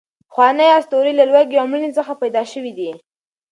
پخوانۍ اسطورې له لوږې او مړینې څخه پیدا شوې دي.